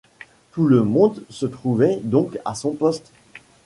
Tout le monde se trouvait donc à son poste.